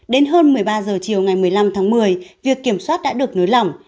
đến hơn một mươi ba h chiều ngày một mươi năm tháng một mươi việc kiểm soát đã được nới lỏng